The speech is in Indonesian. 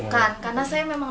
kan karena saya memang